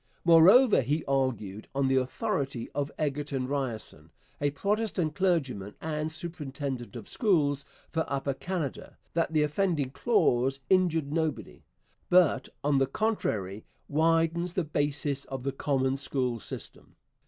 Moreover, he argued, on the authority of Egerton Ryerson, a Protestant clergyman and superintendent of schools for Upper Canada, that the offending clause injured nobody, but, on the contrary, 'widens the basis of the common school system.'